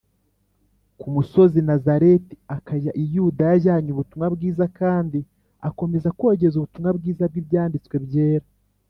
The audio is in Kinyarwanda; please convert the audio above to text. Ku musozi Nazareti akajya i Yudaya ajyanye ubutumwa bwiza kandi akomeza kogeza ubutumwa bwiza bw’Ibyanditswe byera.